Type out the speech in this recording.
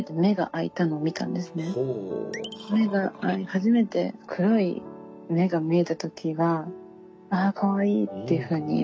初めて黒い目が見えた時は「ああかわいい」っていうふうに。